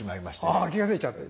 はあ気が付いちゃって。